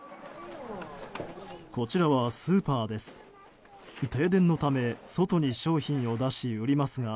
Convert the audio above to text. こちらはスーパーです。